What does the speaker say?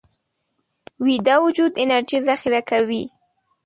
ویده وجود انرژي ذخیره کوي